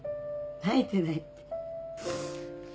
泣いてないって。